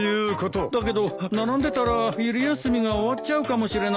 だけど並んでたら昼休みが終わっちゃうかもしれないな。